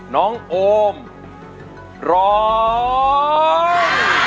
น้องโอมร้อง